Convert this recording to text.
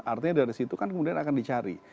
artinya dari situ kan kemudian akan dicari